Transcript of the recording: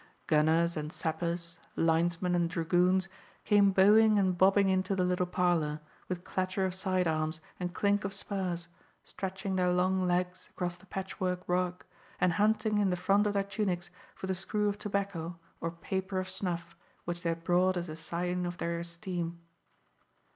Gunners and sappers, linesmen and dragoons, came bowing and bobbing into the little parlour, with clatter of side arms and clink of spurs, stretching their long legs across the patchwork rug, and hunting in the front of their tunics for the screw of tobacco or paper of snuff which they had brought as a sign of their esteem.